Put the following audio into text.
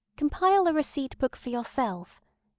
Compile a receipt book for yourself.